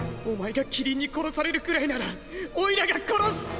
おまえが希林に殺されるくらいならオイラが殺す！